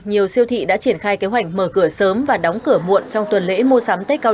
nhiều siêu thị đã triển khai kế hoạch mở cửa sớm và đóng cửa muộn trong tuần lễ mua sắm tết cao